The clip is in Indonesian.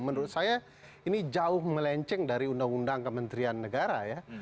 menurut saya ini jauh melenceng dari undang undang kementerian negara ya